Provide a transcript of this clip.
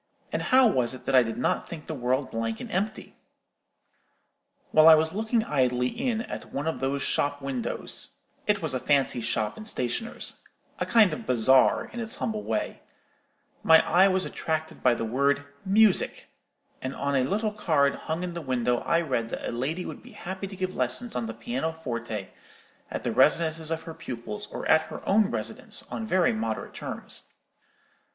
and how was it that I did not think the world blank and empty? "While I was looking idly in at one of those shop windows—it was a fancy shop and stationer's—a kind of bazaar, in its humble way—my eye was attracted by the word 'Music;' and on a little card hung in the window I read that a lady would be happy to give lessons on the piano forte, at the residences of her pupils, or at her own residence, on very moderate terms.